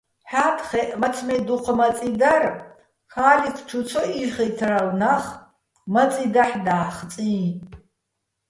ჰ̦ა́თხეჸ, მაცმე́ დუჴ მაწი დარ, ქა́ლიქ ჩუ ცო იხითრალო̆ ნახ მაწი დაჰ̦ და́ხწიჼ.